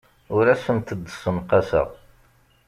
Ur asent-d-ssenqaseɣ.